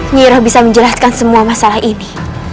nyira bisa menjelaskan semua masalah ini